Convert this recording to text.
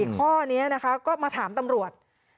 ๔ข้อนี้ก็มาถามตำรวจ